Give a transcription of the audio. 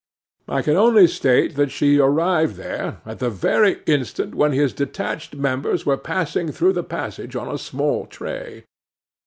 I can only state that she arrived there, at the very instant when his detached members were passing through the passage on a small tray.